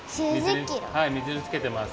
はい水につけてます。